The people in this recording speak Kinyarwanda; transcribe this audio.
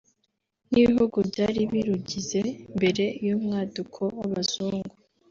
n’ibihugu byari birugize mbere y’umwaduko w’Abazungu